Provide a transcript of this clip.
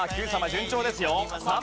順調ですよ。